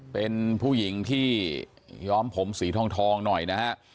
เป็นผู้หญิงที่ย้อมผมสีทองหน่อยนะฮะ